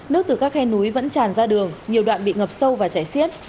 nước từ các khe núi vẫn tràn ra đường nhiều đoạn bị ngập sâu và chảy xiết